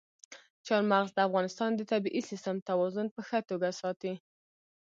چار مغز د افغانستان د طبعي سیسټم توازن په ښه توګه ساتي.